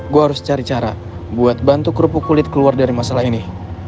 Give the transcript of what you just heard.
gue harus cari cara buat bantu kerupuk kulit keluar dari masalah ini